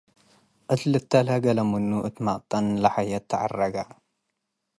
እት ልተ'ልሄ ገሌ ምኑ እት መቅጠን ለሐየት ተዓረገ።